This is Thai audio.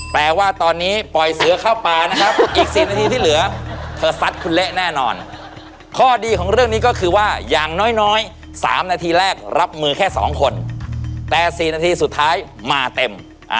แปลว่าตอนนี้ปล่อยเสือเข้าป่านะครับอีก๔นาทีที่เหลือเธอซัดคุณเละแน่นอนข้อดีของเรื่องนี้ก็คือว่าอย่างน้อย๓นาทีแรกรับมือแค่๒คนแต่๔นาทีสุดท้ายมาเต็ม